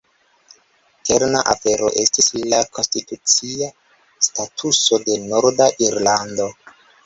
Kerna afero estis la konstitucia statuso de Norda Irlando.